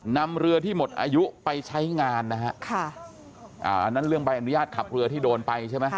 นำเรือที่หมดอายุไปใช้งานนะฮะค่ะอ่าอันนั้นเรื่องใบอนุญาตขับเรือที่โดนไปใช่ไหม